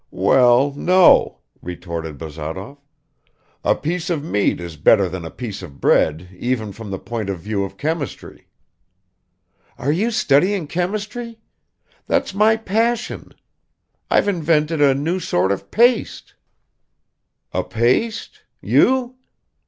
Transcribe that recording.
"Well, no," retorted Bazarov; "a piece of meat is better than a piece of bread even from the point of view of chemistry." "You are studying chemistry? That's my passion. I've invented a new sort of paste." "A paste? You?"